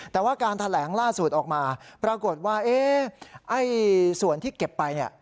แต่ว่าการแถลงล่าสุดออกมาปรากฏว่าส่วนที่เก็บไปเนี่ย